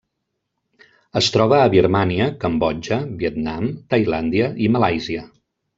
Es troba a Birmània, Cambodja, Vietnam, Tailàndia i Malàisia.